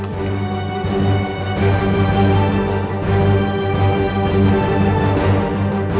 ketika ketemu seter yang disentuh